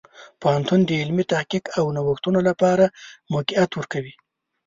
پوهنتون د علمي تحقیق او نوښتونو لپاره موقعیت ورکوي.